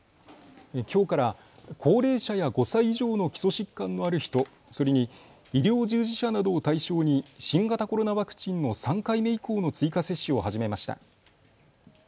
きょうから高齢者や５歳以上の基礎疾患のある人、それに医療従事者などを対象に新型コロナワクチンの３回目以降の追加接種を始めました。